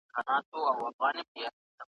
انګریزي کمپانۍ به د سرتیرو په اړه پریکړه کوي.